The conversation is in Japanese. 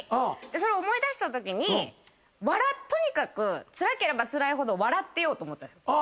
それを思い出したときにとにかくつらければつらいほど笑ってようと思ったんです。